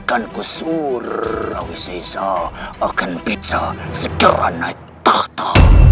aponakan kusur awisiza akan bisa segera naik tahta